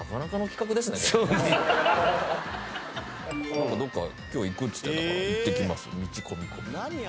今日どっか行くっつってたから「いってきまーす